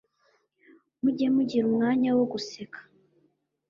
mujye mugira umwanya wo guseka,